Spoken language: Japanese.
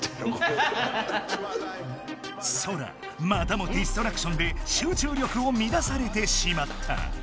ソラまたもディストラクションで集中力をみだされてしまった。